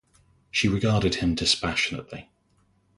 She regarded him dispassionately.